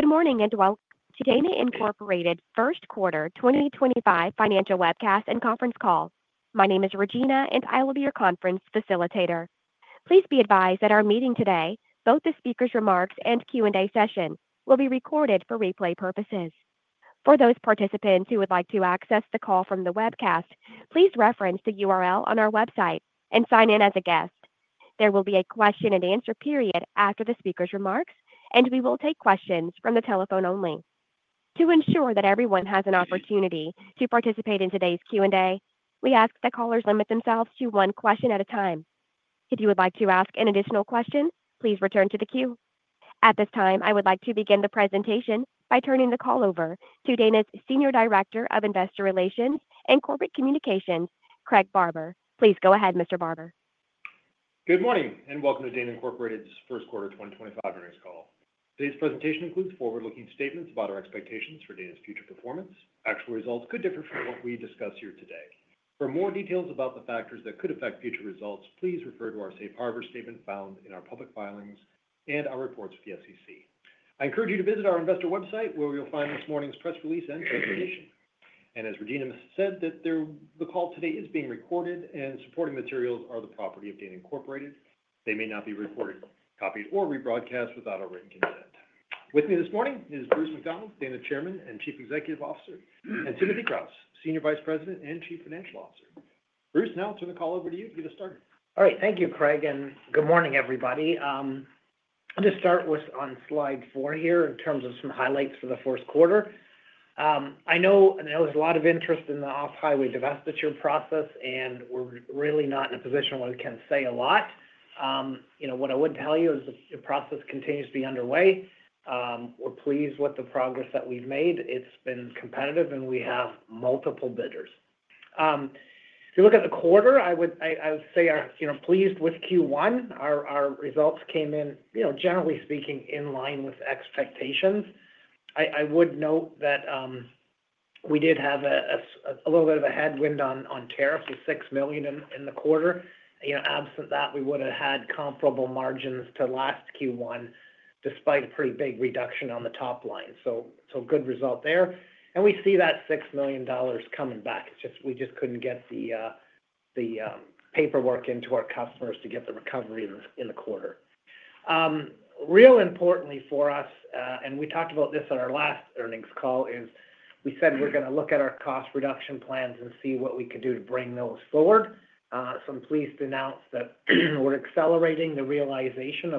Good morning, and welcome to Dana Incorporated's first quarter 2025 financial webcast and conference call. My name is Regina, and I will be your conference facilitator. Please be advised that our meeting today, both the speaker's remarks and Q&A session, will be recorded for replay purposes. For those participants who would like to access the call from the webcast, please reference the URL on our website and sign in as a guest. There will be a question-and-answer period after the speaker's remarks, and we will take questions from the telephone only. To ensure that everyone has an opportunity to participate in today's Q&A, we ask that callers limit themselves to one question at a time. If you would like to ask an additional question, please return to the queue. At this time, I would like to begin the presentation by turning the call over to Dana's Senior Director of Investor Relations and Corporate Communications, Craig Barber. Please go ahead, Mr. Barber. Good morning, and welcome to Dana Incorporated's first quarter 2025 finance call. Today's presentation includes forward-looking statements about our expectations for Dana's future performance. Actual results could differ from what we discuss here today. For more details about the factors that could affect future results, please refer to our Safe Harbor statement found in our public filings and our reports with the SEC. I encourage you to visit our investor website, where you'll find this morning's press release and communication. As Regina said, the call today is being recorded, and supporting materials are the property of Dana Incorporated. They may not be recorded, copied, or rebroadcast without our written consent. With me this morning is Bruce McDonald, Dana Chairman and Chief Executive Officer, and Timothy Kraus, Senior Vice President and Chief Financial Officer. Bruce, now I'll turn the call over to you to get us started. All right. Thank you, Craig, and good morning, everybody. I'm going to start with on slide four here in terms of some highlights for the fourth quarter. I know there's a lot of interest in the Off-Highway divestiture process, and we're really not in a position where we can say a lot. What I would tell you is the process continues to be underway. We're pleased with the progress that we've made. It's been competitive, and we have multiple bidders. If you look at the quarter, I would say I'm pleased with Q1. Our results came in, generally speaking, in line with expectations. I would note that we did have a little bit of a headwind on tariffs of $6 million in the quarter. Absent that, we would have had comparable margins to last Q1, despite a pretty big reduction on the top line. Good result there. We see that $6 million coming back. We just could not get the paperwork into our customers to get the recovery in the quarter. Real importantly for us, and we talked about this on our last earnings call, is we said we are going to look at our cost reduction plans and see what we could do to bring those forward. I am pleased to announce that we are accelerating the realization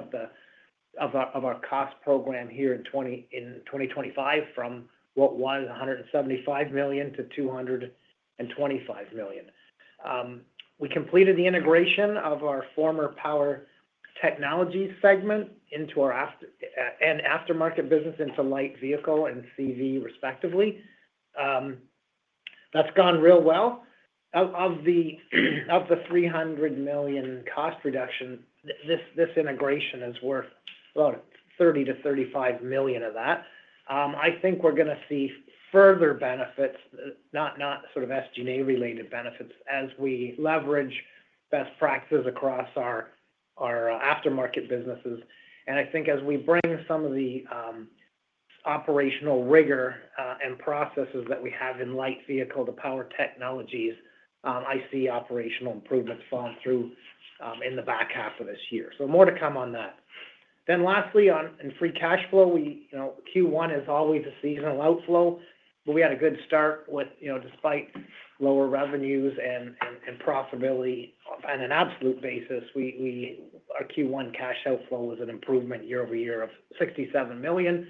of our cost program here in 2025 from what was $175 million-$225 million. We completed the integration of our former Power Technologies segment and aftermarket business into Light Vehicle and CV, respectively. That has gone real well. Of the $300 million cost reduction, this integration is worth about $30-$35 million of that. I think we are going to see further benefits, not sort of SG&A-related benefits, as we leverage best practices across our aftermarket businesses. I think as we bring some of the operational rigor and processes that we have in Light Vehicle to Power Technologies, I see operational improvements falling through in the back half of this year. More to come on that. Lastly, in free cash flow, Q1 is always a seasonal outflow, but we had a good start with, despite lower revenues and profitability on an absolute basis, our Q1 cash outflow was an improvement year-over-year of $67 million.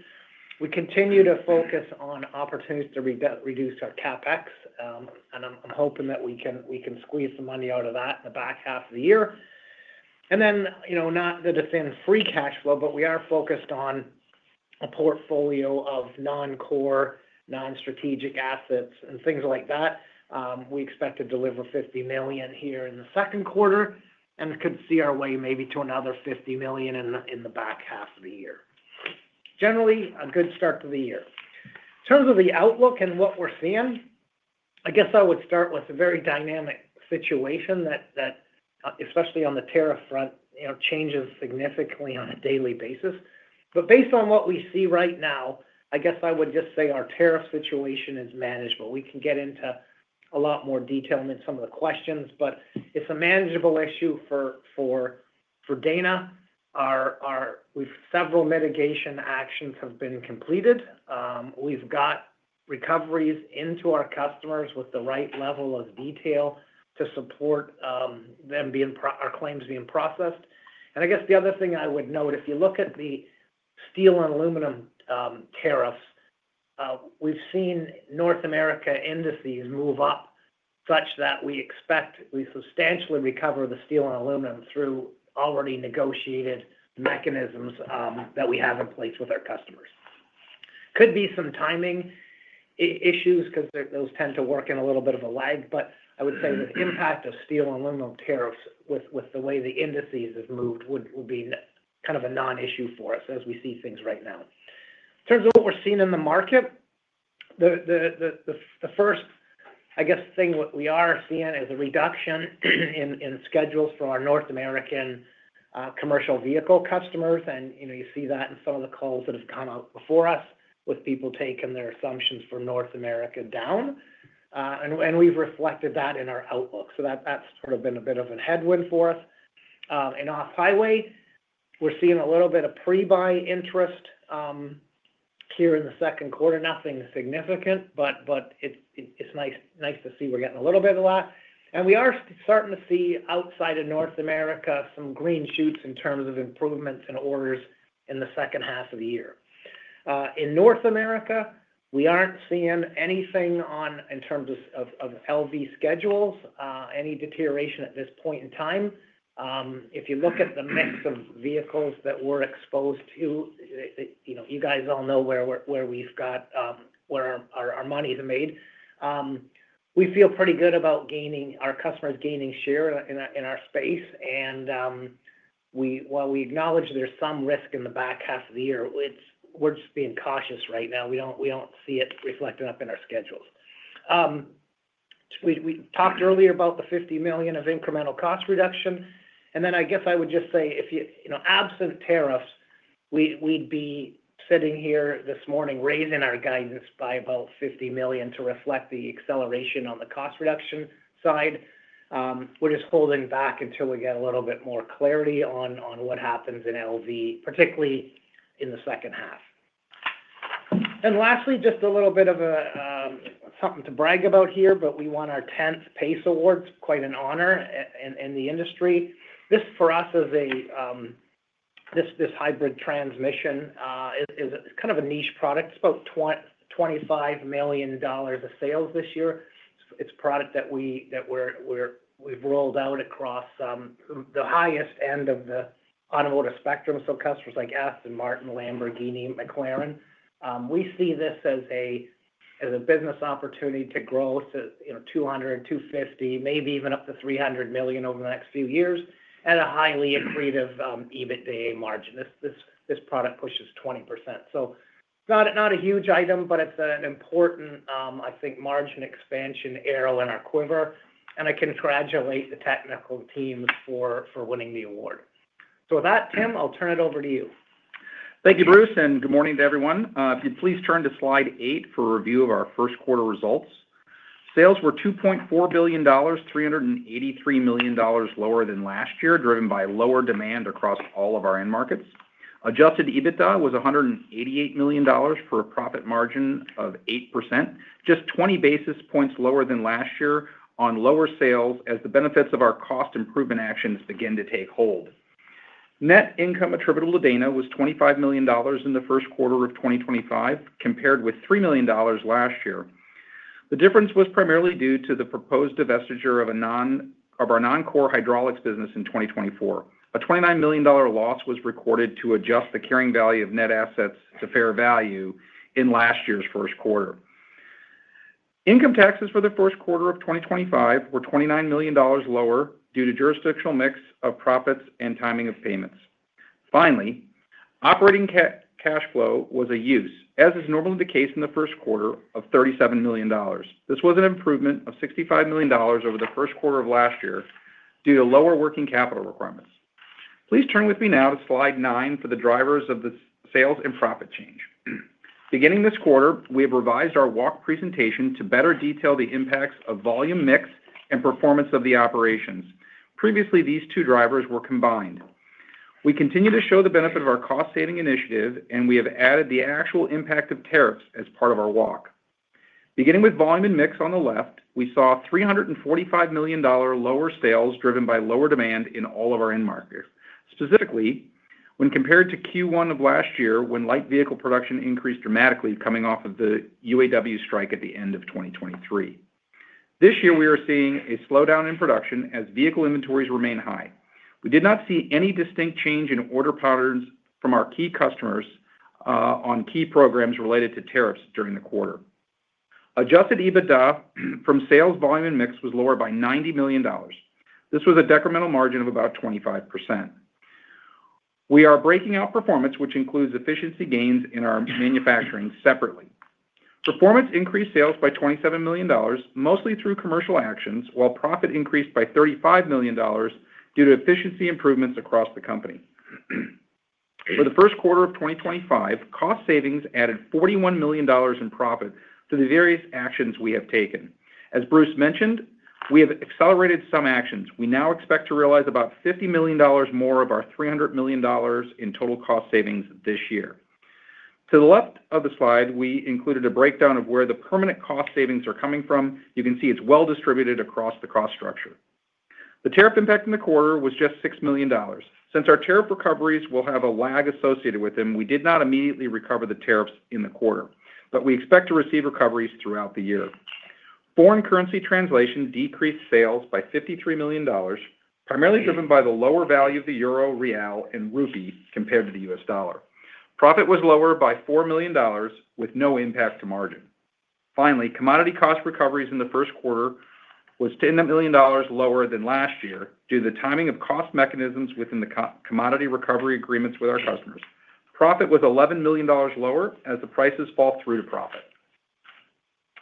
We continue to focus on opportunities to reduce our CapEx, and I'm hoping that we can squeeze some money out of that in the back half of the year. Not that it's in free cash flow, but we are focused on a portfolio of non-core, non-strategic assets and things like that. We expect to deliver $50 million here in the second quarter and could see our way maybe to another $50 million in the back half of the year. Generally, a good start to the year. In terms of the outlook and what we're seeing, I guess I would start with a very dynamic situation that, especially on the tariff front, changes significantly on a daily basis. Based on what we see right now, I guess I would just say our tariff situation is manageable. We can get into a lot more detail in some of the questions, but it's a manageable issue for Dana. Several mitigation actions have been completed. We've got recoveries into our customers with the right level of detail to support our claims being processed. I guess the other thing I would note, if you look at the steel and aluminum tariffs, we've seen North America indices move up such that we expect we substantially recover the steel and aluminum through already negotiated mechanisms that we have in place with our customers. There could be some timing issues because those tend to work in a little bit of a lag, but I would say the impact of steel and aluminum tariffs with the way the indices have moved would be kind of a non-issue for us as we see things right now. In terms of what we're seeing in the market, the first, I guess, thing that we are seeing is a reduction in schedules for our North American commercial vehicle customers. You see that in some of the calls that have come out before us with people taking their assumptions for North America down. We have reflected that in our outlook. That has sort of been a bit of a headwind for us. In Off-Highway, we are seeing a little bit of pre-buy interest here in the second quarter, nothing significant, but it is nice to see we are getting a little bit of that. We are starting to see outside of North America some green shoots in terms of improvements and orders in the second half of the year. In North America, we are not seeing anything in terms of LV schedules, any deterioration at this point in time. If you look at the mix of vehicles that we are exposed to, you guys all know where we have got where our money is made. We feel pretty good about our customers gaining share in our space. While we acknowledge there's some risk in the back half of the year, we're just being cautious right now. We don't see it reflected up in our schedules. We talked earlier about the $50 million of incremental cost reduction. I would just say, absent tariffs, we'd be sitting here this morning raising our guidance by about $50 million to reflect the acceleration on the cost reduction side. We're just holding back until we get a little bit more clarity on what happens in LV, particularly in the second half. Lastly, just a little bit of something to brag about here, but we won our 10th PACE Award, quite an honor in the industry. This for us is a hybrid transmission. It's kind of a niche product. It's about $25 million of sales this year. It's a product that we've rolled out across the highest end of the automotive spectrum. So customers like Aston Martin, Lamborghini, McLaren. We see this as a business opportunity to grow to $200-$250, maybe even up to $300 million over the next few years at a highly accretive EBITDA margin. This product pushes 20%. Not a huge item, but it's an important, I think, margin expansion arrow in our quiver. I congratulate the technical teams for winning the award. With that, Tim, I'll turn it over to you. Thank you, Bruce, and good morning to everyone. If you'd please turn to slide eight for a review of our first quarter results. Sales were $2.4 billion, $383 million lower than last year, driven by lower demand across all of our end markets. Adjusted EBITDA was $188 million for a profit margin of 8%, just 20 basis points lower than last year on lower sales as the benefits of our cost improvement actions begin to take hold. Net income attributable to Dana was $25 million in the first quarter of 2025, compared with $3 million last year. The difference was primarily due to the proposed divestiture of our non-core hydraulics business in 2024. A $29 million loss was recorded to adjust the carrying value of net assets to fair value in last year's first quarter. Income taxes for the first quarter of 2025 were $29 million lower due to jurisdictional mix of profits and timing of payments. Finally, operating cash flow was a use, as is normally the case in the first quarter, of $37 million. This was an improvement of $65 million over the first quarter of last year due to lower working capital requirements. Please turn with me now to slide nine for the drivers of the sales and profit change. Beginning this quarter, we have revised our walk presentation to better detail the impacts of volume, mix, and performance of the operations. Previously, these two drivers were combined. We continue to show the benefit of our cost-saving initiative, and we have added the actual impact of tariffs as part of our walk. Beginning with volume and mix on the left, we saw $345 million lower sales driven by lower demand in all of our end markets, specifically when compared to Q1 of last year when Light Vehicle production increased dramatically coming off of the UAW strike at the end of 2023. This year, we are seeing a slowdown in production as vehicle inventories remain high. We did not see any distinct change in order patterns from our key customers on key programs related to tariffs during the quarter. Adjusted EBITDA from sales, volume, and mix was lower by $90 million. This was a decremental margin of about 25%. We are breaking out performance, which includes efficiency gains in our manufacturing separately. Performance increased sales by $27 million, mostly through commercial actions, while profit increased by $35 million due to efficiency improvements across the company. For the first quarter of 2025, cost savings added $41 million in profit through the various actions we have taken. As Bruce mentioned, we have accelerated some actions. We now expect to realize about $50 million more of our $300 million in total cost savings this year. To the left of the slide, we included a breakdown of where the permanent cost savings are coming from. You can see it's well distributed across the cost structure. The tariff impact in the quarter was just $6 million. Since our tariff recoveries will have a lag associated with them, we did not immediately recover the tariffs in the quarter, but we expect to receive recoveries throughout the year. Foreign currency translation decreased sales by $53 million, primarily driven by the lower value of the euro, real, and rupee compared to the US dollar. Profit was lower by $4 million with no impact to margin. Finally, commodity cost recoveries in the first quarter were $10 million lower than last year due to the timing of cost mechanisms within the commodity recovery agreements with our customers. Profit was $11 million lower as the prices fall through to profit.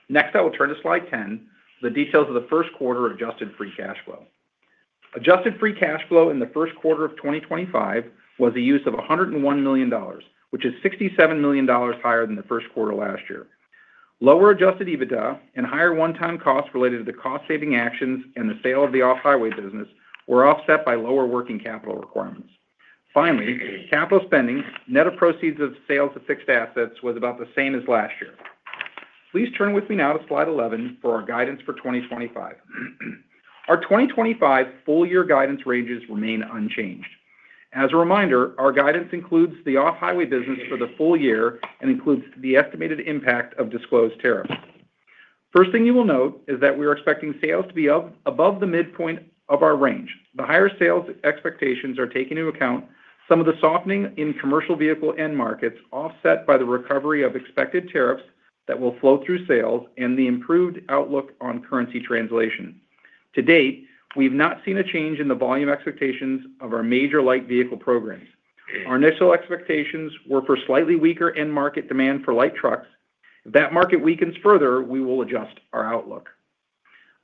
Next, I will turn to slide 10, the details of the first quarter adjusted Free Cash Flow. Adjusted Free Cash Flow in the first quarter of 2025 was the use of $101 million, which is $67 million higher than the first quarter last year. Lower Adjusted EBITDA and higher one-time costs related to the cost-saving actions and the sale of the Off-Highway business were offset by lower working capital requirements. Finally, capital spending, net of proceeds of sales of fixed assets, was about the same as last year. Please turn with me now to slide 11 for our guidance for 2025. Our 2025 full-year guidance ranges remain unchanged. As a reminder, our guidance includes the Off-Highway business for the full year and includes the estimated impact of disclosed tariffs. First thing you will note is that we are expecting sales to be above the midpoint of our range. The higher sales expectations are taking into account some of the softening in commercial vehicle end markets offset by the recovery of expected tariffs that will flow through sales and the improved outlook on currency translation. To date, we have not seen a change in the volume expectations of our major Light Vehicle programs. Our initial expectations were for slightly weaker end market demand for light trucks. If that market weakens further, we will adjust our outlook.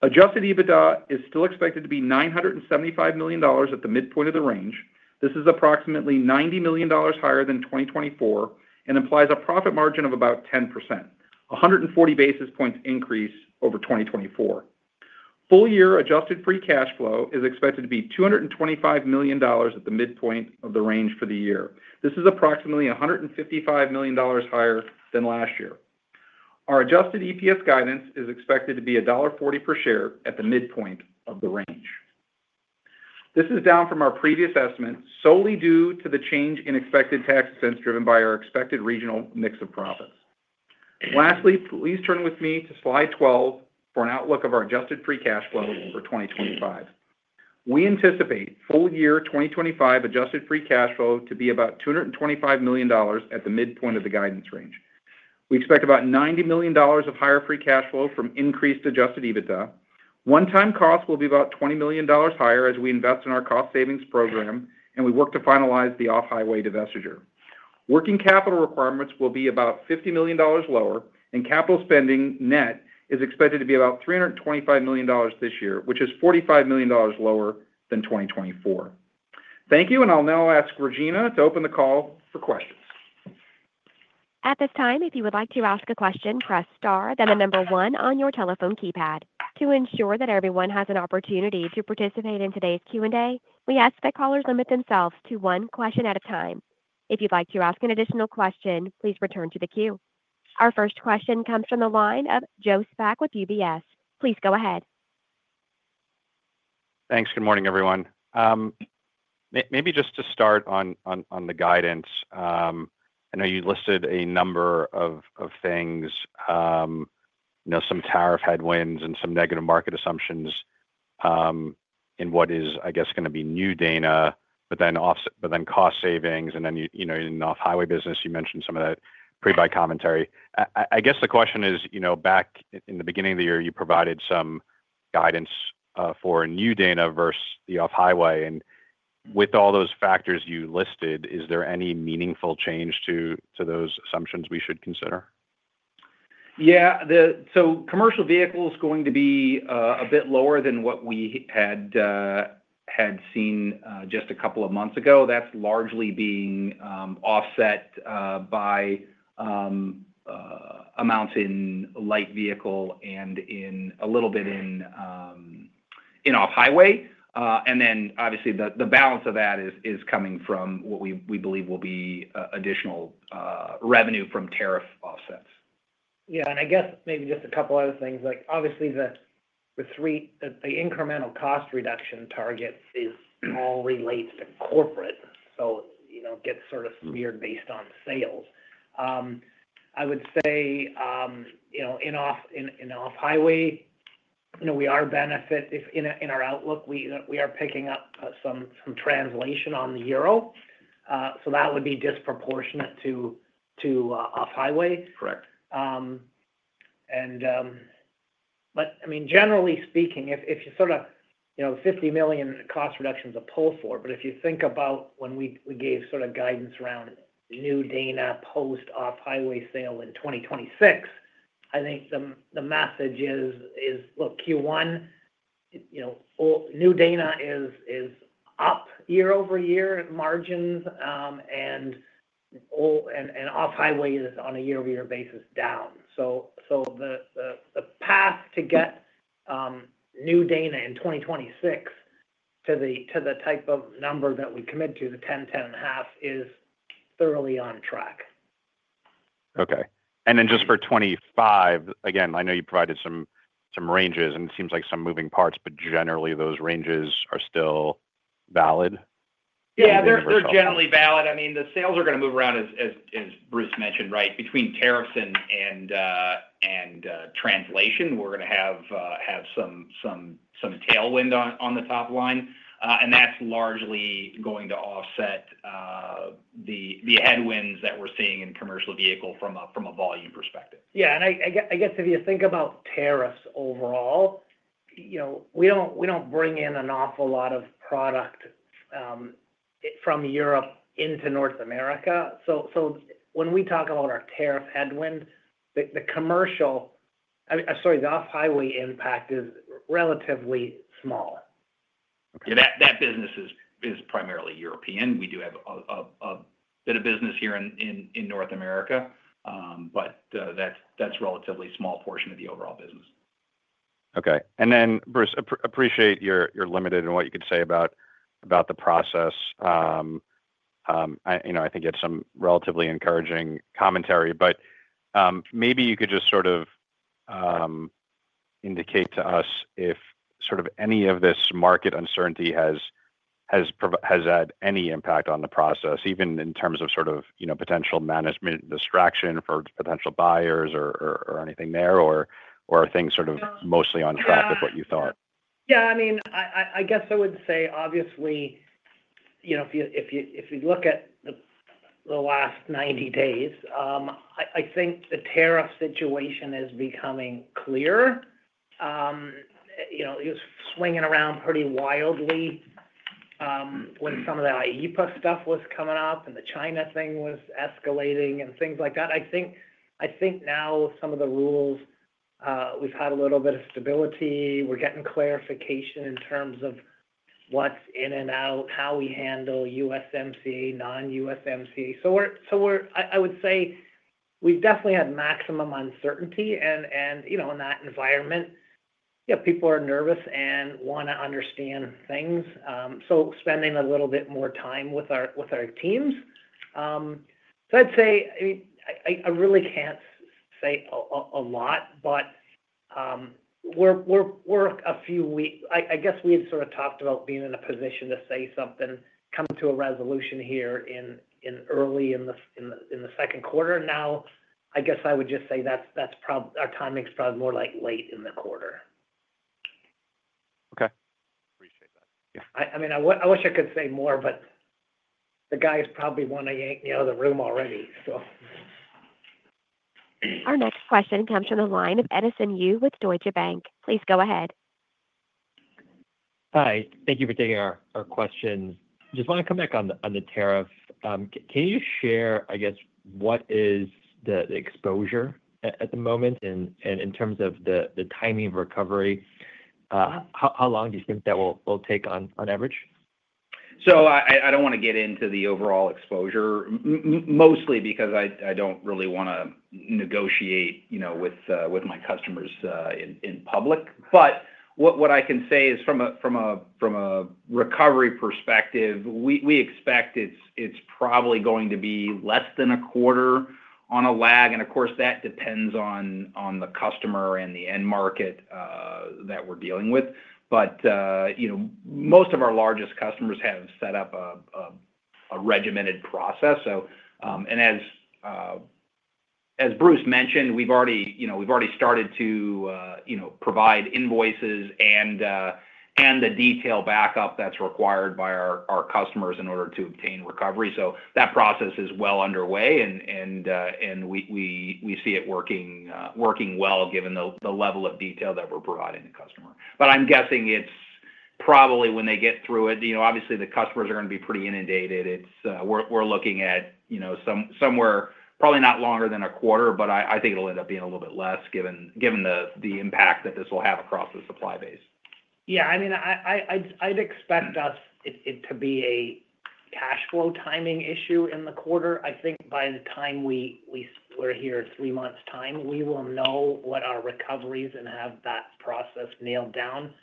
Adjusted EBITDA is still expected to be $975 million at the midpoint of the range. This is approximately $90 million higher than 2024 and implies a profit margin of about 10%, a 140 basis point increase over 2024. Full-year adjusted free cash flow is expected to be $225 million at the midpoint of the range for the year. This is approximately $155 million higher than last year. Our adjusted EPS guidance is expected to be $1.40 per share at the midpoint of the range. This is down from our previous estimate solely due to the change in expected tax expense driven by our expected regional mix of profits. Lastly, please turn with me to slide 12 for an outlook of our adjusted free cash flow for 2025. We anticipate full-year 2025 adjusted free cash flow to be about $225 million at the midpoint of the guidance range. We expect about $90 million of higher free cash flow from increased Adjusted EBITDA. One-time costs will be about $20 million higher as we invest in our cost savings program and we work to finalize the Off-Highway divestiture. Working capital requirements will be about $50 million lower and capital spending net is expected to be about $325 million this year, which is $45 million lower than 2024. Thank you, and I'll now ask Regina to open the call for questions. At this time, if you would like to ask a question, press star, then the number one on your telephone keypad. To ensure that everyone has an opportunity to participate in today's Q&A, we ask that callers limit themselves to one question at a time. If you'd like to ask an additional question, please return to the queue. Our first question comes from the line of Joe Spak with UBS. Please go ahead. Thanks. Good morning, everyone. Maybe just to start on the guidance, I know you listed a number of things, some tariff headwinds and some negative market assumptions in what is, I guess, going to be new Dana, but then cost savings, and then in Off-Highway business, you mentioned some of that pre-buy commentary. I guess the question is, back in the beginning of the year, you provided some guidance for new Dana versus the Off-Highway. With all those factors you listed, is there any meaningful change to those assumptions we should consider? Yeah. Commercial vehicle is going to be a bit lower than what we had seen just a couple of months ago. That is largely being offset by amounts in Light Vehicle and a little bit in Off-Highway. Obviously, the balance of that is coming from what we believe will be additional revenue from tariff offsets. Yeah. I guess maybe just a couple other things. Obviously, the incremental cost reduction targets all relate to corporate. It gets sort of smeared based on sales. I would say in Off-Highway, we are benefit in our outlook. We are picking up some translation on the euro. That would be disproportionate to Off-Highway. I mean, generally speaking, if you sort of $50 million cost reductions to pull for, if you think about when we gave sort of guidance around new Dana post Off-Highway sale in 2026, I think the message is, look, Q1, new Dana is up year-over-year margins, and Off-Highway is on a year-over-year basis down. The path to get new Dana in 2026 to the type of number that we commit to, the 10, 10.5, is thoroughly on track. Okay. Just for 2025, again, I know you provided some ranges, and it seems like some moving parts, but generally, those ranges are still valid? Yeah, they're generally valid. I mean, the sales are going to move around, as Bruce mentioned, right? Between tariffs and translation, we're going to have some tailwind on the top line. That's largely going to offset the headwinds that we're seeing in commercial vehicle from a volume perspective. Yeah. I guess if you think about tariffs overall, we don't bring in an awful lot of product from Europe into North America. When we talk about our tariff headwind, the commercial, sorry, the Off-Highway impact is relatively small. Yeah, that business is primarily European. We do have a bit of business here in North America, but that's a relatively small portion of the overall business. Okay. Bruce, appreciate your limited and what you could say about the process. I think you had some relatively encouraging commentary, but maybe you could just sort of indicate to us if sort of any of this market uncertainty has had any impact on the process, even in terms of sort of potential management distraction for potential buyers or anything there, or are things sort of mostly on track with what you thought? Yeah. I mean, I guess I would say, obviously, if you look at the last 90 days, I think the tariff situation is becoming clearer. It was swinging around pretty wildly when some of the IEEPA stuff was coming up and the China thing was escalating and things like that. I think now some of the rules, we've had a little bit of stability. We're getting clarification in terms of what's in and out, how we handle USMCA, non-USMCA. I would say we've definitely had maximum uncertainty. In that environment, people are nervous and want to understand things. Spending a little bit more time with our teams. I mean, I really can't say a lot, but we're a few weeks, I guess we had sort of talked about being in a position to say something, come to a resolution here early in the second quarter. Now, I guess I would just say that our timing's probably more like late in the quarter. Okay. Appreciate that. I mean, I wish I could say more, but the guys probably want to yell the room already, so. Our next question comes from the line of Edison Yu with Deutsche Bank. Please go ahead. Hi. Thank you for taking our question. Just want to come back on the tariff. Can you share, I guess, what is the exposure at the moment in terms of the timing of recovery? How long do you think that will take on average? I don't want to get into the overall exposure, mostly because I don't really want to negotiate with my customers in public. What I can say is from a recovery perspective, we expect it's probably going to be less than a quarter on a lag. Of course, that depends on the customer and the end market that we're dealing with. Most of our largest customers have set up a regimented process. As Bruce mentioned, we've already started to provide invoices and the detail backup that's required by our customers in order to obtain recovery. That process is well underway, and we see it working well given the level of detail that we're providing the customer. I'm guessing it's probably when they get through it, obviously, the customers are going to be pretty inundated. We're looking at somewhere probably not longer than a quarter, but I think it'll end up being a little bit less given the impact that this will have across the supply base. Yeah. I mean, I'd expect us to be a cash flow timing issue in the quarter. I think by the time we're here in three months' time, we will know what our recoveries and have that process nailed down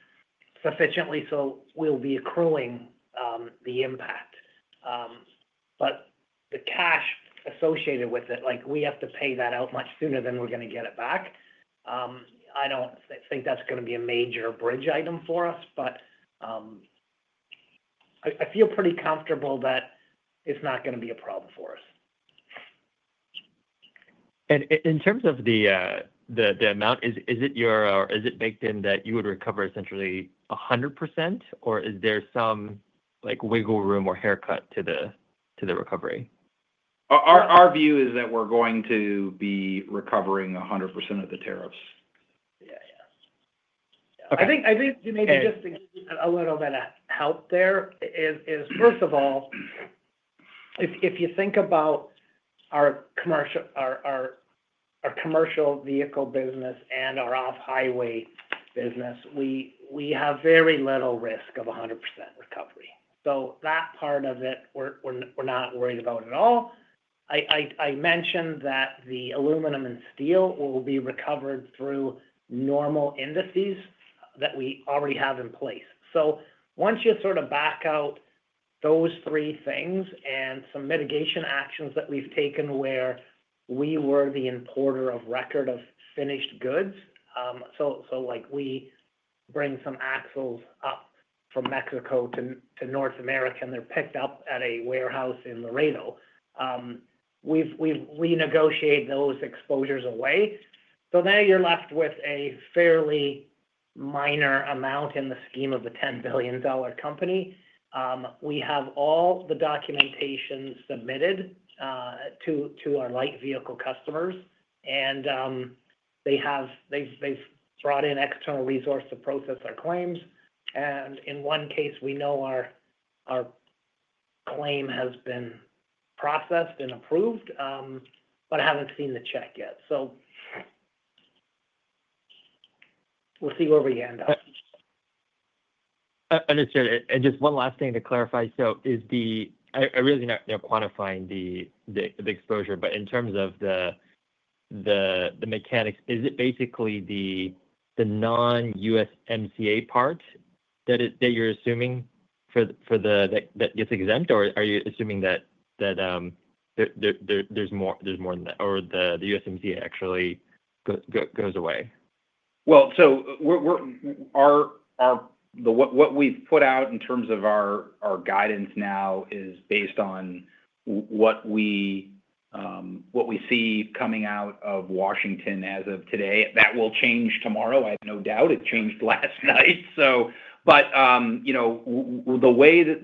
sufficiently so we'll be accruing the impact. The cash associated with it, we have to pay that out much sooner than we're going to get it back. I don't think that's going to be a major bridge item for us, but I feel pretty comfortable that it's not going to be a problem for us. In terms of the amount, is it baked in that you would recover essentially 100%, or is there some wiggle room or haircut to the recovery? Our view is that we're going to be recovering 100% of the tariffs. Yeah, yeah. I think you maybe just a little bit of help there is, first of all, if you think about our commercial vehicle business and our Off-Highway business, we have very little risk of 100% recovery. That part of it, we're not worried about at all. I mentioned that the aluminum and steel will be recovered through normal indices that we already have in place. Once you sort of back out those three things and some mitigation actions that we've taken where we were the importer of record of finished goods, we bring some axles up from Mexico to North America and they're picked up at a warehouse in Laredo, we negotiate those exposures away. You are left with a fairly minor amount in the scheme of the $10 billion company. We have all the documentation submitted to our Light Vehicle customers, and they've brought in external resources to process our claims. In one case, we know our claim has been processed and approved, but I haven't seen the check yet. We'll see where we end up. Understood. Just one last thing to clarify. I really know quantifying the exposure, but in terms of the mechanics, is it basically the non-USMCA part that you're assuming that gets exempt, or are you assuming that there's more than that, or the USMCA actually goes away? What we've put out in terms of our guidance now is based on what we see coming out of Washington as of today. That will change tomorrow. I have no doubt it changed last night. The way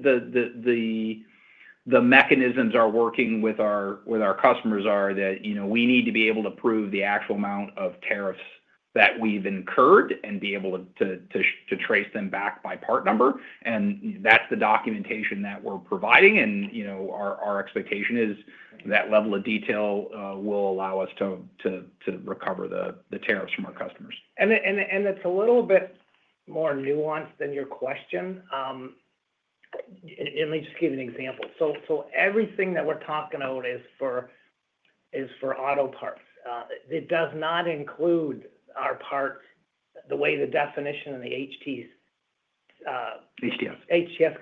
the mechanisms are working with our customers are that we need to be able to prove the actual amount of tariffs that we've incurred and be able to trace them back by part number. That's the documentation that we're providing. Our expectation is that level of detail will allow us to recover the tariffs from our customers. It is a little bit more nuanced than your question. Let me just give you an example. Everything that we are talking about is for auto parts. It does not include our parts the way the definition and the HTS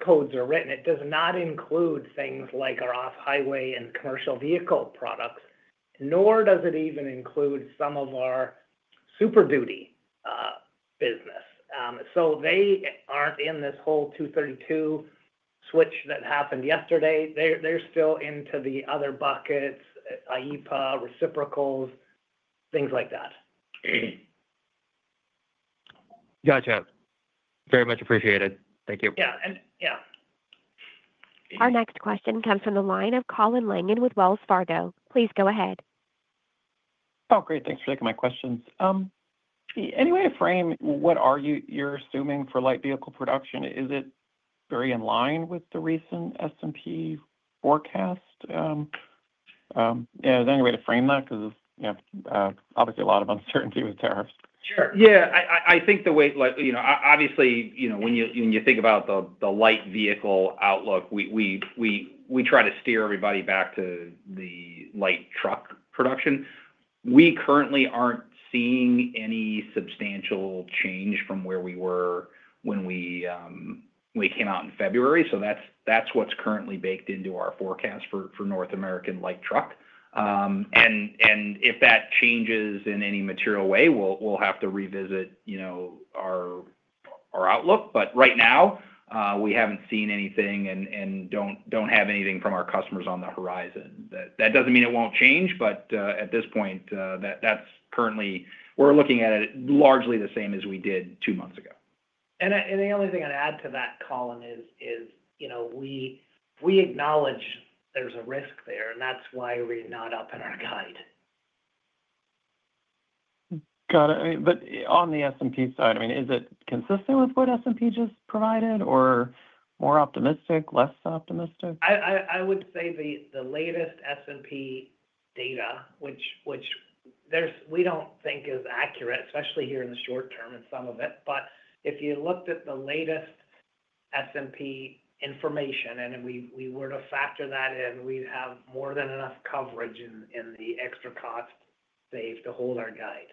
codes are written. It does not include things like our Off-Highway and commercial vehicle products, nor does it even include some of our Super Duty business. They are not in this whole 232 switch that happened yesterday. They are still into the other buckets, IEEPA, reciprocals, things like that. Gotcha. Very much appreciated. Thank you. Yeah. Yeah. Our next question comes from the line of Colin Langan with Wells Fargo. Please go ahead. Oh, great. Thanks for taking my questions. Any way to frame what you're assuming for Light Vehicle production? Is it very in line with the recent S&P forecast? Is there any way to frame that? Because there's obviously a lot of uncertainty with tariffs. Sure. Yeah. I think the way obviously, when you think about the Light Vehicle outlook, we try to steer everybody back to the light truck production. We currently are not seeing any substantial change from where we were when we came out in February. That is what is currently baked into our forecast for North American light truck. If that changes in any material way, we will have to revisit our outlook. Right now, we have not seen anything and do not have anything from our customers on the horizon. That does not mean it will not change, but at this point, we are looking at it largely the same as we did two months ago. The only thing I would add to that, Colin, is we acknowledge there is a risk there, and that is why we are not up in our guide. Got it. On the S&P side, I mean, is it consistent with what S&P just provided, or more optimistic, less optimistic? I would say the latest S&P data, which we don't think is accurate, especially here in the short term and some of it. If you looked at the latest S&P information and we were to factor that in, we'd have more than enough coverage in the extra cost saved to hold our guide.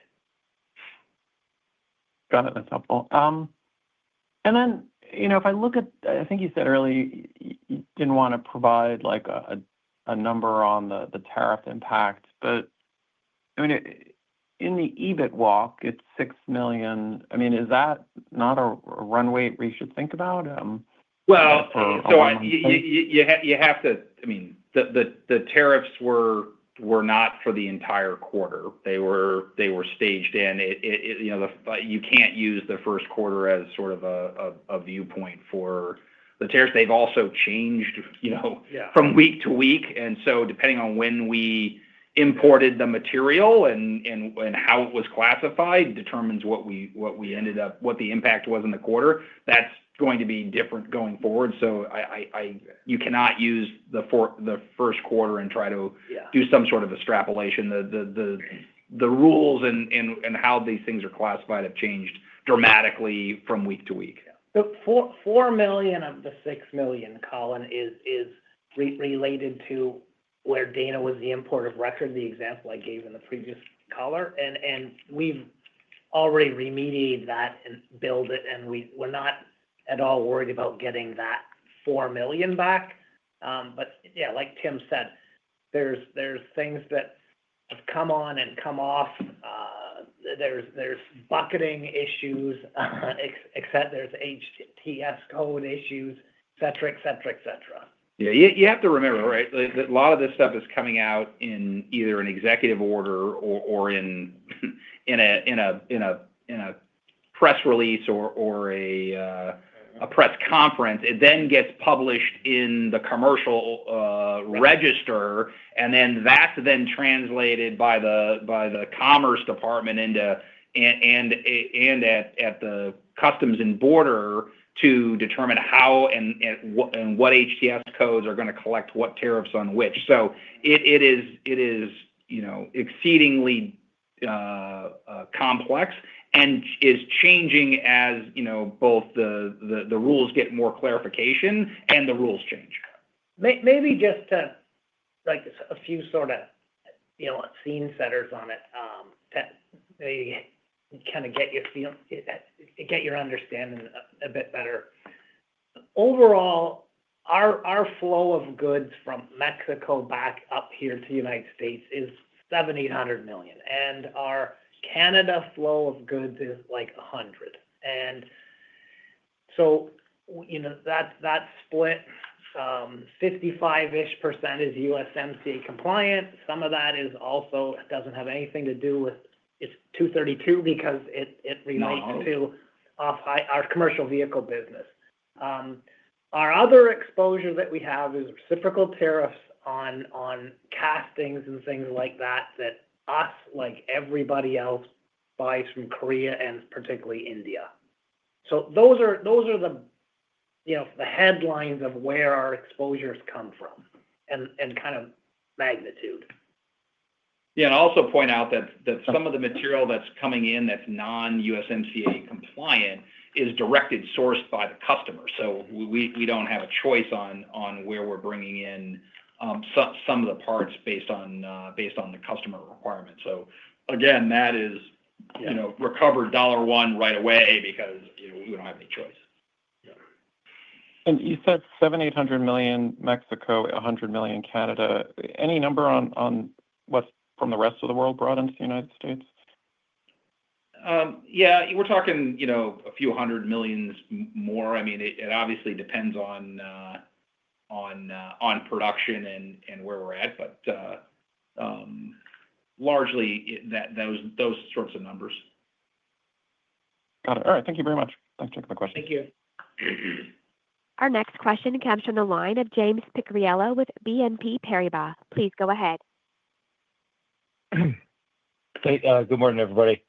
Got it. That's helpful. If I look at, I think you said earlier you didn't want to provide a number on the tariff impact, but I mean, in the EBIT walk, it's $6 million. I mean, is that not a runway we should think about? You have to, I mean, the tariffs were not for the entire quarter. They were staged in. You can't use the first quarter as sort of a viewpoint for the tariffs. They've also changed from week to week. Depending on when we imported the material and how it was classified determines what we ended up, what the impact was in the quarter. That's going to be different going forward. You cannot use the first quarter and try to do some sort of extrapolation. The rules and how these things are classified have changed dramatically from week to week. Four million of the six million, Colin, is related to where Dana was the importer of record, the example I gave in the previous color. We have already remediated that and billed it, and we are not at all worried about getting that four million back. Yeah, like Tim said, there are things that have come on and come off. There are bucketing issues, there are HTS code issues, etc. Yeah. You have to remember, right, that a lot of this stuff is coming out in either an executive order or in a press release or a press conference. It then gets published in the commercial register, and then that's then translated by the Commerce Department and at the Customs and Border to determine how and what HTS codes are going to collect what tariffs on which. It is exceedingly complex and is changing as both the rules get more clarification and the rules change. Maybe just a few sort of scene setters on it to kind of get your understanding a bit better. Overall, our flow of goods from Mexico back up here to the United States is $7,800 million. And our Canada flow of goods is like $100 million. That split, 55% is USMCA compliance. Some of that also does not have anything to do with Section 232 because it relates to our commercial vehicle business. Our other exposure that we have is reciprocal tariffs on castings and things like that that us, like everybody else, buys from Korea and particularly India. Those are the headlines of where our exposures come from and kind of magnitude. Yeah. I'll also point out that some of the material that's coming in that's non-USMCA compliant is directed sourced by the customer. We don't have a choice on where we're bringing in some of the parts based on the customer requirements. That is recovered dollar one right away because we don't have any choice. You said $7,800 million, Mexico $100 million, Canada. Any number on what's from the rest of the world brought into the United States? Yeah. We're talking a few hundred million more. I mean, it obviously depends on production and where we're at, but largely those sorts of numbers. Got it. All right. Thank you very much. Thanks for taking my question. Thank you. Our next question comes from the line of James Picariello with BNP Paribas. Please go ahead. Good morning, everybody.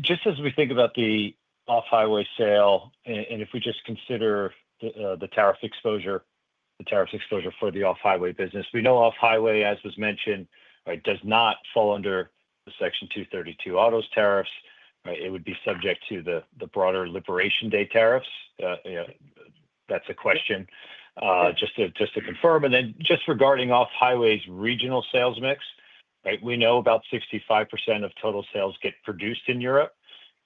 Just as we think about the Off-Highway sale, and if we just consider the tariff exposure, the tariff exposure for the Off-Highway business, we know Off-Highway, as was mentioned, does not fall under the Section 232 autos tariffs. It would be subject to the broader Section 301 tariffs. That is a question just to confirm. Just regarding Off-Highway's regional sales mix, we know about 65% of total sales get produced in Europe.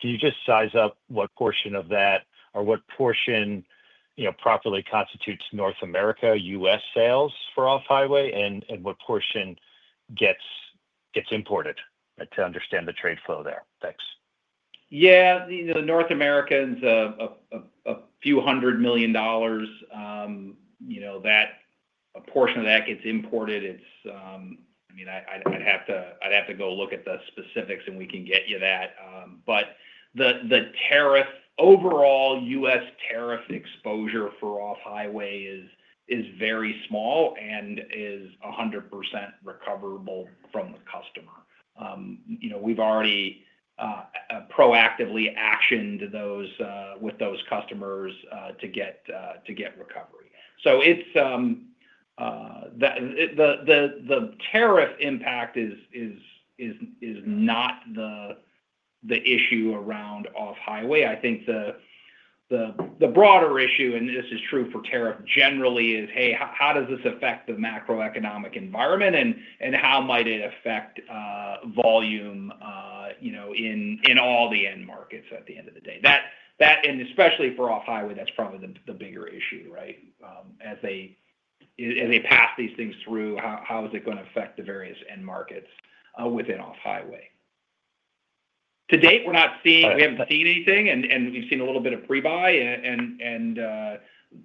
Can you just size up what portion of that or what portion properly constitutes North America, U.S. sales for Off-Highway, and what portion gets imported to understand the trade flow there? Thanks. Yeah. The North American's a few hundred million dollars. A portion of that gets imported. I mean, I'd have to go look at the specifics, and we can get you that. The tariff overall U.S. tariff exposure for Off-Highway is very small and is 100% recoverable from the customer. We've already proactively actioned with those customers to get recovery. The tariff impact is not the issue around Off-Highway. I think the broader issue, and this is true for tariff generally, is, hey, how does this affect the macroeconomic environment, and how might it affect volume in all the end markets at the end of the day? Especially for Off-Highway, that's probably the bigger issue, right? As they pass these things through, how is it going to affect the various end markets within Off-Highway? To date, we haven't seen anything, and we've seen a little bit of prebuy.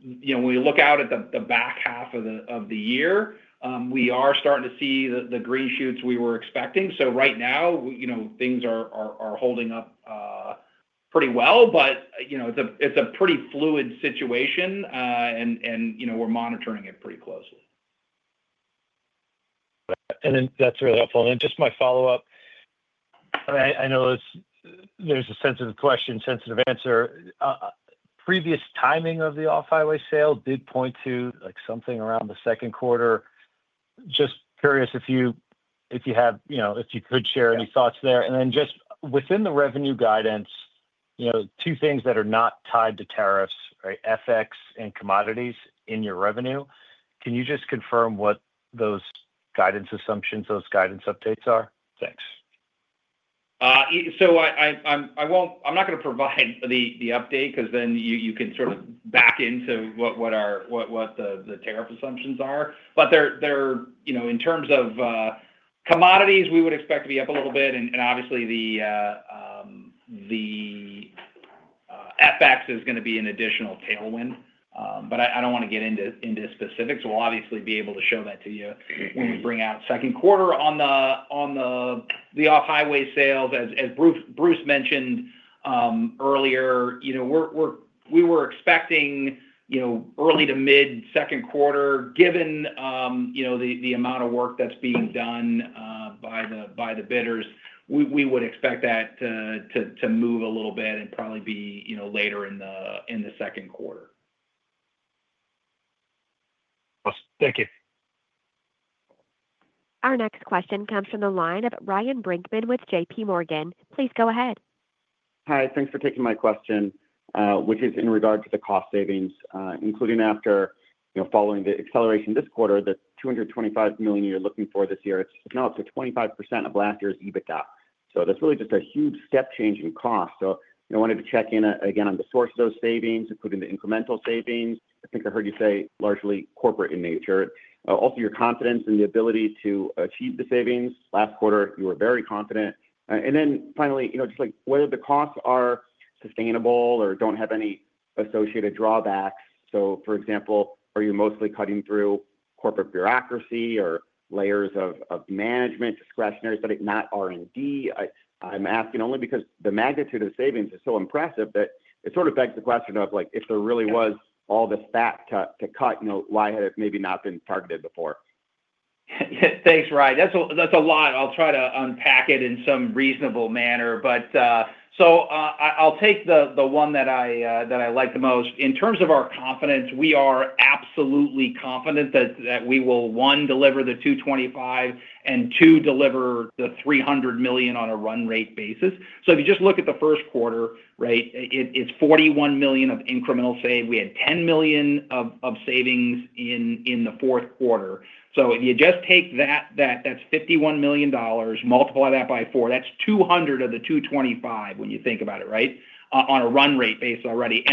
When we look out at the back half of the year, we are starting to see the green shoots we were expecting. Right now, things are holding up pretty well, but it's a pretty fluid situation, and we're monitoring it pretty closely. That's really helpful. Just my follow-up, I know there's a sensitive question, sensitive answer. Previous timing of the Off-Highway sale did point to something around the second quarter. Just curious if you could share any thoughts there. Within the revenue guidance, two things that are not tied to tariffs, right? FX and commodities in your revenue. Can you just confirm what those guidance assumptions, those guidance updates are? Thanks. I'm not going to provide the update because then you can sort of back into what the tariff assumptions are. In terms of commodities, we would expect to be up a little bit. Obviously, the FX is going to be an additional tailwind. I don't want to get into specifics. We'll obviously be able to show that to you when we bring out second quarter on the Off-Highway sales. As Bruce mentioned earlier, we were expecting early to mid-second quarter. Given the amount of work that's being done by the bidders, we would expect that to move a little bit and probably be later in the second quarter. Awesome. Thank you. Our next question comes from the line of Ryan Brinkman with J.P. Morgan. Please go ahead. Hi. Thanks for taking my question, which is in regard to the cost savings, including after following the acceleration this quarter, the $225 million you're looking for this year, it's now up to 25% of last year's EBITDA. That's really just a huge step change in cost. I wanted to check in again on the source of those savings, including the incremental savings. I think I heard you say largely corporate in nature. Also, your confidence in the ability to achieve the savings. Last quarter, you were very confident. Finally, just whether the costs are sustainable or do not have any associated drawbacks. For example, are you mostly cutting through corporate bureaucracy or layers of management discretionary so that it's not R&D? I'm asking only because the magnitude of savings is so impressive that it sort of begs the question of if there really was all this fat to cut, why had it maybe not been targeted before? Thanks, Ryan. That's a lot. I'll try to unpack it in some reasonable manner. I'll take the one that I like the most. In terms of our confidence, we are absolutely confident that we will, one, deliver the 225 and, two, deliver the 300 million on a run rate basis. If you just look at the first quarter, right, it's $41 million of incremental save. We had $10 million of savings in the fourth quarter. If you just take that, that's $51 million, multiply that by 4, that's $200 million of the 225 when you think about it, right, on a run rate base already.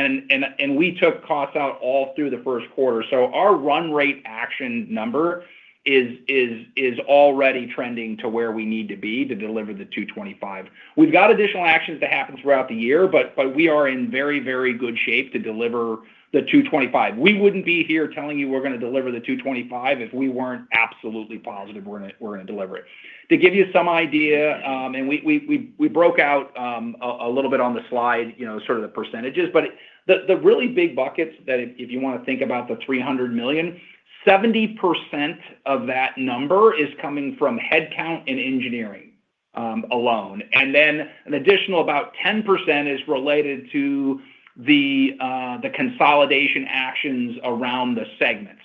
We took costs out all through the first quarter. Our run rate action number is already trending to where we need to be to deliver the 225. We've got additional actions to happen throughout the year, but we are in very, very good shape to deliver the $225 million. We would not be here telling you we are going to deliver the $225 million if we were not absolutely positive we are going to deliver it. To give you some idea, and we broke out a little bit on the slide, sort of the percentages, but the really big buckets that if you want to think about the $300 million, 70% of that number is coming from headcount and engineering alone. Then an additional about 10% is related to the consolidation actions around the segments.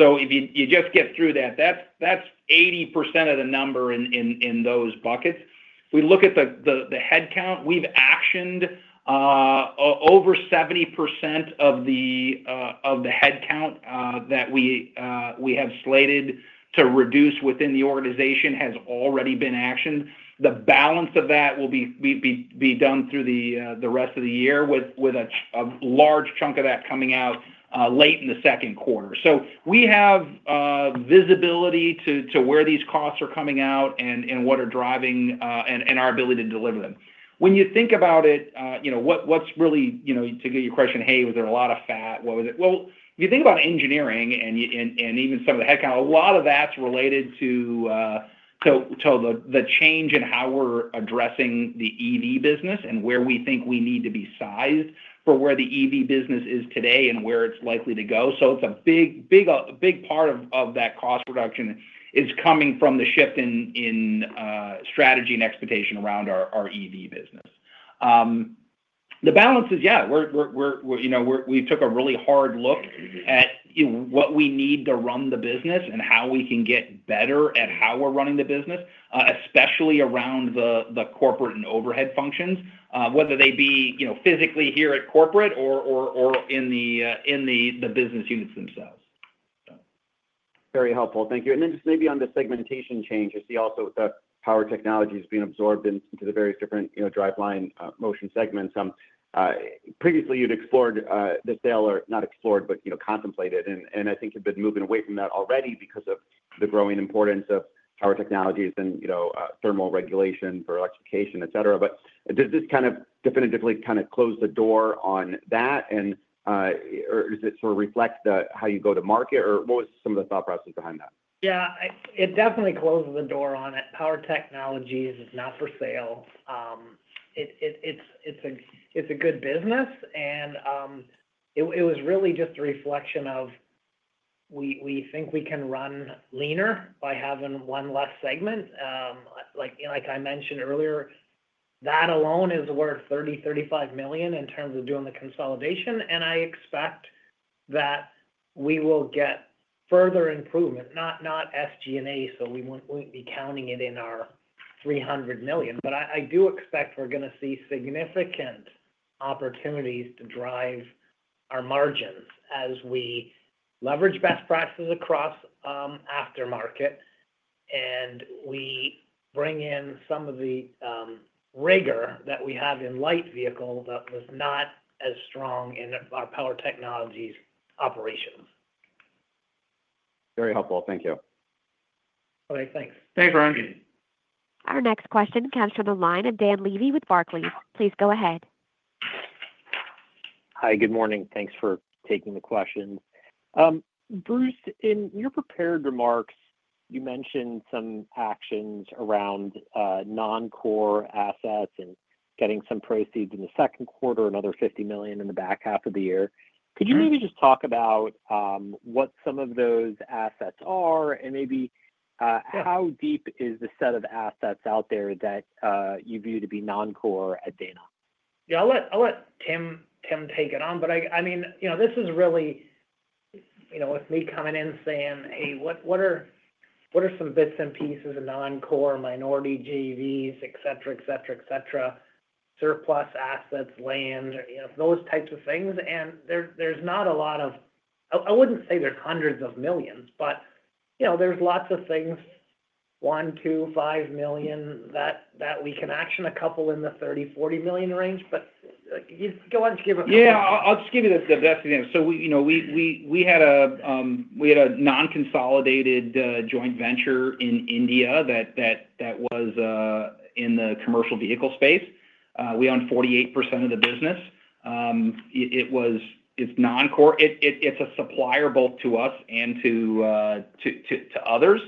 If you just get through that, that is 80% of the number in those buckets. We look at the headcount. We have actioned over 70% of the headcount that we have slated to reduce within the organization has already been actioned. The balance of that will be done through the rest of the year with a large chunk of that coming out late in the second quarter. We have visibility to where these costs are coming out and what are driving and our ability to deliver them. When you think about it, to get your question, hey, was there a lot of fat? What was it? If you think about engineering and even some of the headcount, a lot of that's related to the change in how we're addressing the EV business and where we think we need to be sized for where the EV business is today and where it's likely to go. A big part of that cost reduction is coming from the shift in strategy and expectation around our EV business. The balance is, yeah, we took a really hard look at what we need to run the business and how we can get better at how we're running the business, especially around the corporate and overhead functions, whether they be physically here at corporate or in the business units themselves. Very helpful. Thank you. Just maybe on the segmentation change, you see also that Power Technologies is being absorbed into the various different driveline motion segments. Previously, you'd explored the sale or not explored, but contemplated, and I think you've been moving away from that already because of the growing importance of Power Technologies and thermal regulation for electrification, etc. Does this kind of definitively kind of close the door on that, or does it sort of reflect how you go to market, or what was some of the thought process behind that? Yeah. It definitely closes the door on it. Power Technologies is not for sale. It's a good business, and it was really just a reflection of we think we can run leaner by having one less segment. Like I mentioned earlier, that alone is worth $30 million-$35 million in terms of doing the consolidation. I expect that we will get further improvement, not SG&A, so we won't be counting it in our $300 million. I do expect we're going to see significant opportunities to drive our margins as we leverage best practices across aftermarket and we bring in some of the rigor that we have in Light Vehicles that was not as strong in our Power Technologies operations. Very helpful. Thank you. All right. Thanks. Thanks, Ryan. Our next question comes from the line of Dan Levy with Barclays. Please go ahead. Hi. Good morning. Thanks for taking the question. Bruce, in your prepared remarks, you mentioned some actions around non-core assets and getting some proceeds in the second quarter, another $50 million in the back half of the year. Could you maybe just talk about what some of those assets are and maybe how deep is the set of assets out there that you view to be non-core at Dana? Yeah. I'll let Tim take it on. I mean, this is really with me coming in saying, hey, what are some bits and pieces of non-core minority JVs, etc, surplus assets, land, those types of things? There's not a lot of, I wouldn't say there's hundreds of millions, but there's lots of things, one, two, five million that we can action, a couple in the $30-40 million range. Go on, just give it. Yeah. I'll just give you the best example. We had a non-consolidated joint venture in India that was in the commercial vehicle space. We owned 48% of the business. It's non-core. It's a supplier both to us and to others.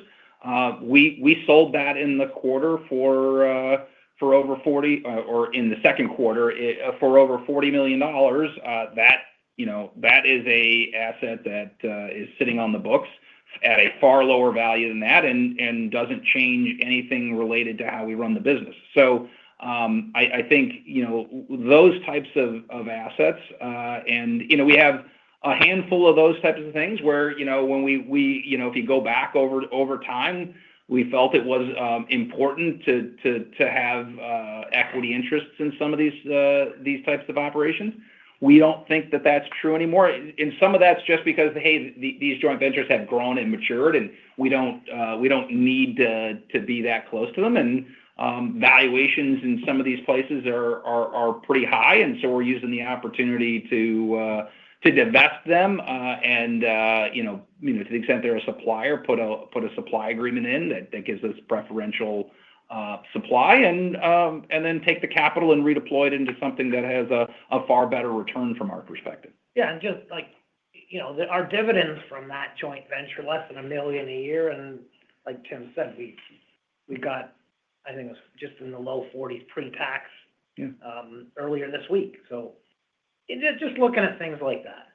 We sold that in the quarter for over $40 million or in the second quarter for over $40 million. That is an asset that is sitting on the books at a far lower value than that and doesn't change anything related to how we run the business. I think those types of assets, and we have a handful of those types of things, where if you go back over time, we felt it was important to have equity interests in some of these types of operations. We don't think that that's true anymore. Some of that's just because, hey, these joint ventures have grown and matured, and we don't need to be that close to them. Valuations in some of these places are pretty high, and so we're using the opportunity to divest them. To the extent they're a supplier, put a supply agreement in that gives us preferential supply, and then take the capital and redeploy it into something that has a far better return from our perspective. Yeah. Just our dividends from that joint venture, less than $1 million a year. Like Tim said, we got, I think it was just in the low $40 million pre-tax earlier this week. Just looking at things like that.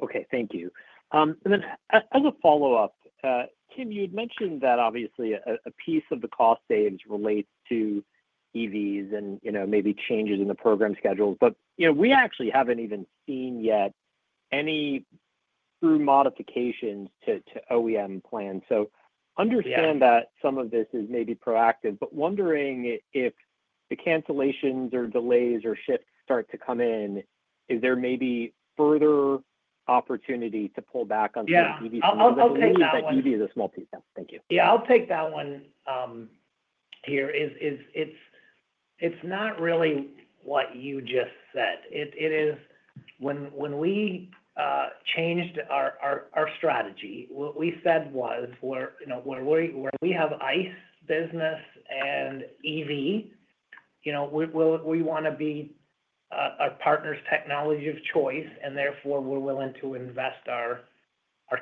Okay. Thank you. As a follow-up, Tim, you'd mentioned that obviously a piece of the cost savings relates to EVs and maybe changes in the program schedules, but we actually haven't even seen yet any through modifications to OEM plans. I understand that some of this is maybe proactive, but wondering if the cancellations or delays or shifts start to come in, is there maybe further opportunity to pull back on some of the EVs? Yeah. I'll take that one. EV is a small piece. Yeah. Thank you. Yeah. I'll take that one here. It's not really what you just said. It is when we changed our strategy, what we said was where we have ICE business and EV, we want to be our partner's technology of choice, and therefore we're willing to invest our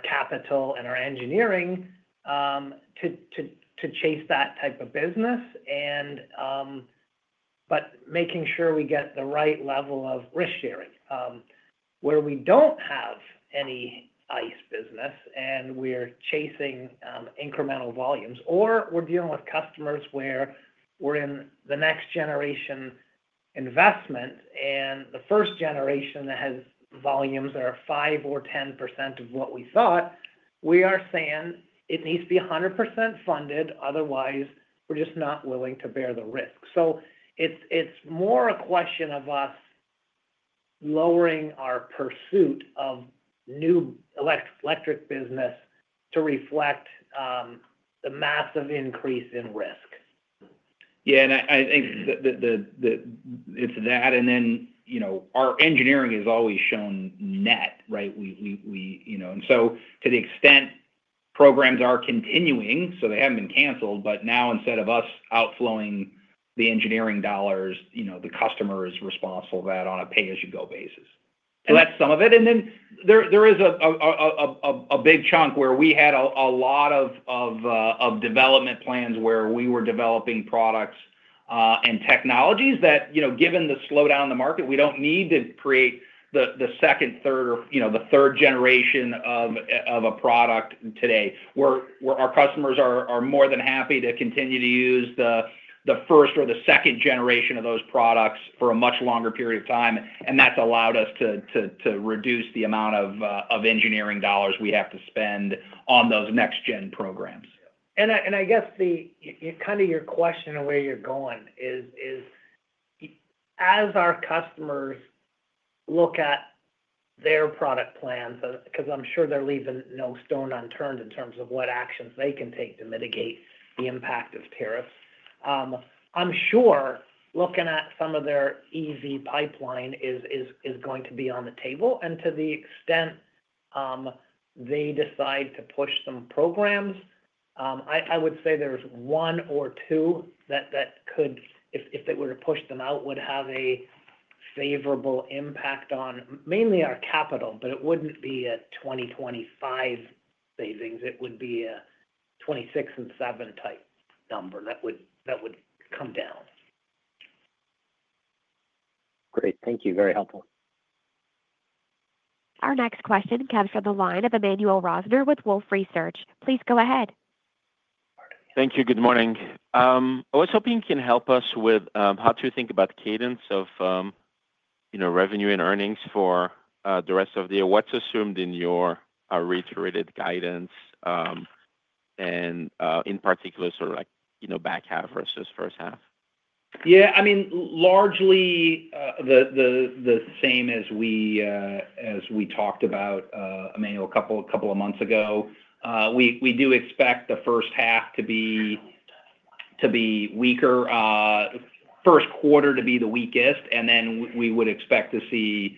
capital and our engineering to chase that type of business, but making sure we get the right level of risk sharing. Where we don't have any ICE business and we're chasing incremental volumes, or we're dealing with customers where we're in the next generation investment and the first generation that has volumes that are 5% or 10% of what we thought, we are saying it needs to be 100% funded, otherwise we're just not willing to bear the risk. It is more a question of us lowering our pursuit of new electric business to reflect the massive increase in risk. Yeah. I think it's that. Our engineering has always shown net, right? To the extent programs are continuing, they haven't been canceled, but now instead of us outflowing the engineering dollars, the customer is responsible for that on a pay-as-you-go basis. That's some of it. There is a big chunk where we had a lot of development plans where we were developing products and technologies that, given the slowdown in the market, we don't need to create the second, third, or the third generation of a product today. Our customers are more than happy to continue to use the first or the second generation of those products for a much longer period of time. That's allowed us to reduce the amount of engineering dollars we have to spend on those next-gen programs. I guess kind of your question and where you're going is, as our customers look at their product plans, because I'm sure they're leaving no stone unturned in terms of what actions they can take to mitigate the impact of tariffs, I'm sure looking at some of their EV pipeline is going to be on the table. To the extent they decide to push some programs, I would say there's one or two that could, if they were to push them out, would have a favorable impact on mainly our capital, but it wouldn't be a 2025 savings. It would be a 2026 and 2027 type number that would come down. Great. Thank you. Very helpful. Our next question comes from the line of Emmanuel Rosner with Wolfe Research. Please go ahead. Thank you. Good morning. I was hoping you can help us with how to think about the cadence of revenue and earnings for the rest of the year. What's assumed in your reiterated guidance, and in particular, sort of back half versus first half? Yeah. I mean, largely the same as we talked about, Emmanuel, a couple of months ago. We do expect the first half to be weaker, first quarter to be the weakest, and we would expect to see,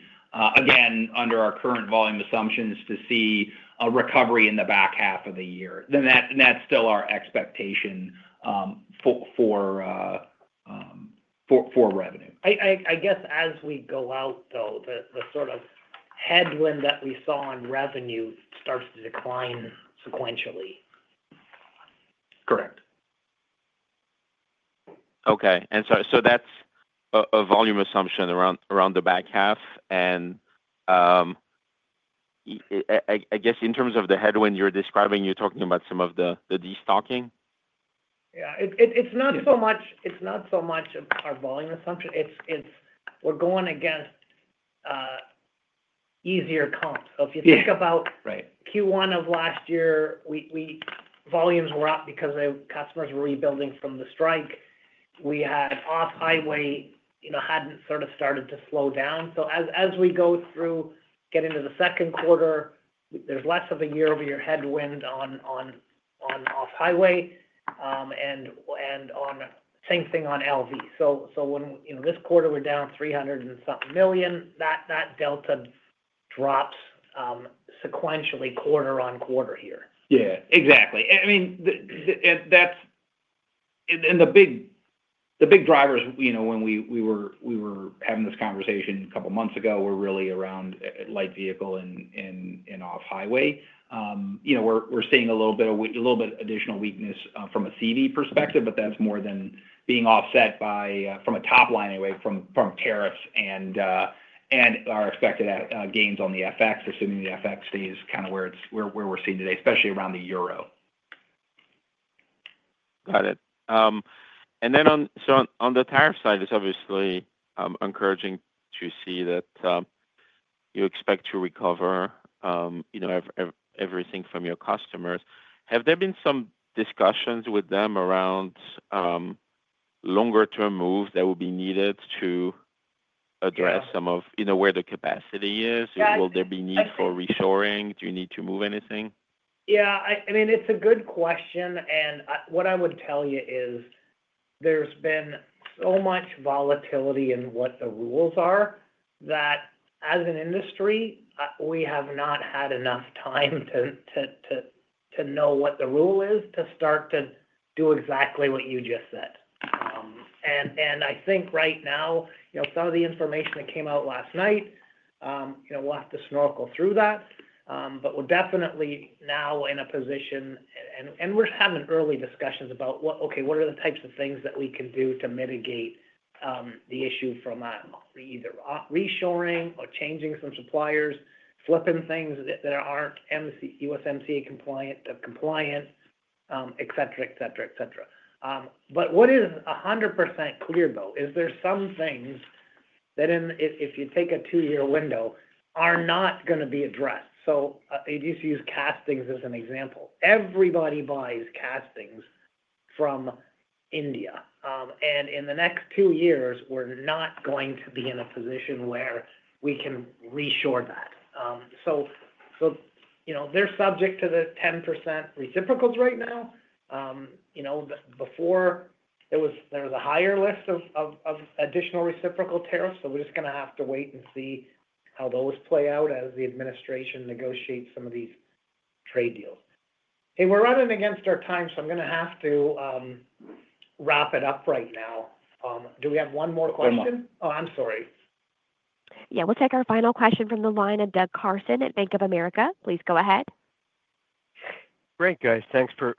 again, under our current volume assumptions, to see a recovery in the back half of the year. That is still our expectation for revenue. I guess as we go out, though, the sort of headwind that we saw in revenue starts to decline sequentially. Correct. Okay. That is a volume assumption around the back half. I guess in terms of the headwind you are describing, you are talking about some of the destocking? Yeah. It's not so much our volume assumption. We're going against easier comps. If you think about Q1 of last year, volumes were up because customers were rebuilding from the strike. We had Off-Highway hadn't sort of started to slow down. As we go through, get into the second quarter, there's less of a year-over-year headwind on Off-Highway and same thing on LV. This quarter, we're down $300 million and something. That delta drops sequentially quarter-on-quarter here. Yeah. Exactly. I mean, and the big drivers when we were having this conversation a couple of months ago were really around Light Vehicle and Off-Highway. We're seeing a little bit of additional weakness from a CV perspective, but that's more than being offset by, from a top line anyway, from tariffs and our expected gains on the FX. Assuming the FX stays kind of where we're seeing today, especially around the euro. Got it. On the tariff side, it's obviously encouraging to see that you expect to recover everything from your customers. Have there been some discussions with them around longer-term moves that will be needed to address some of where the capacity is? Will there be need for reshoring? Do you need to move anything? Yeah. I mean, it's a good question. What I would tell you is there's been so much volatility in what the rules are that as an industry, we have not had enough time to know what the rule is to start to do exactly what you just said. I think right now, some of the information that came out last night, we'll have to sort through that. We're definitely now in a position, and we're having early discussions about, okay, what are the types of things that we can do to mitigate the issue from either reshoring or changing some suppliers, flipping things that aren't USMCA compliant, etc. What is 100% clear, though, is there are some things that if you take a two-year window are not going to be addressed. I just use castings as an example. Everybody buys castings from India. In the next two years, we're not going to be in a position where we can reshore that. So they're subject to the 10% reciprocals right now. Before, there was a higher list of additional reciprocal tariffs. We're just going to have to wait and see how those play out as the administration negotiates some of these trade deals. Hey, we're running against our time, so I'm going to have to wrap it up right now. Do we have one more question? Oh, I'm sorry. Yeah. We'll take our final question from the line of Doug Karson at Bank of America. Please go ahead. Great, guys. Thanks for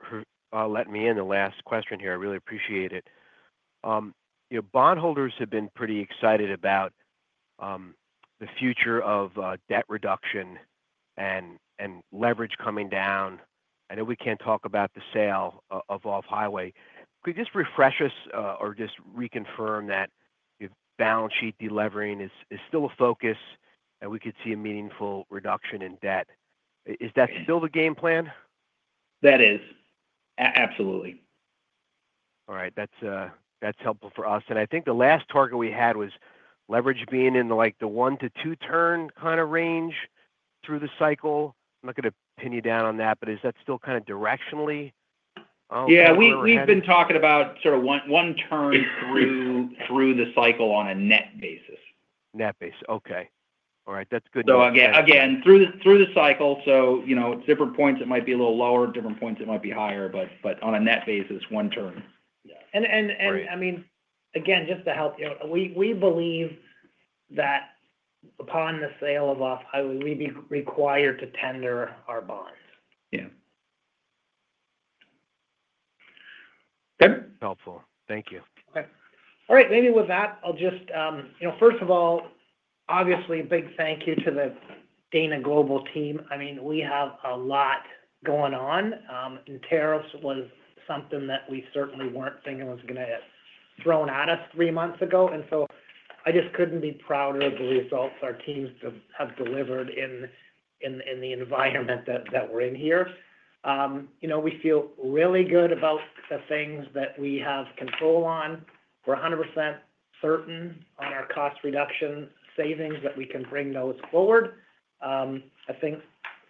letting me in. The last question here. I really appreciate it. Bondholders have been pretty excited about the future of debt reduction and leverage coming down. I know we can't talk about the sale of Off-Highway. Could you just refresh us or just reconfirm that balance sheet delevering is still a focus and we could see a meaningful reduction in debt? Is that still the game plan? That is. Absolutely. All right. That's helpful for us. I think the last target we had was leverage being in the one to two-turn kind of range through the cycle. I'm not going to pin you down on that, but is that still kind of directionally? Yeah. We've been talking about sort of one turn through the cycle on a net basis. Net basis. Okay. All right. That's good. Again, through the cycle, at different points, it might be a little lower. At different points, it might be higher, but on a net basis, one turn. Yeah. I mean, again, just to help you out, we believe that upon the sale of Off-Highway, we'd be required to tender our bonds. Yeah. That'd be helpful. Thank you. All right. Maybe with that, I'll just, first of all, obviously, a big thank you to the Dana global team. I mean, we have a lot going on. Tariffs was something that we certainly were not thinking was going to get thrown at us three months ago. I just could not be prouder of the results our teams have delivered in the environment that we are in here. We feel really good about the things that we have control on. We are 100% certain on our cost reduction savings that we can bring those forward. I think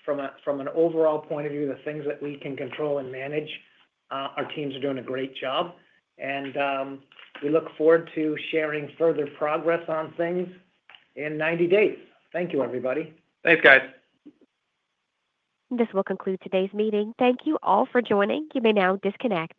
from an overall point of view, the things that we can control and manage, our teams are doing a great job. We look forward to sharing further progress on things in 90 days. Thank you, everybody. Thanks, guys. This will conclude today's meeting. Thank you all for joining. You may now disconnect.